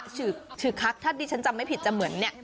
ชื่อคักถ้าดิฉันจำไม่ผิดจะเหมือนเนี่ย